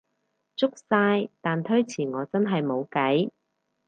足晒，但推遲我真係無計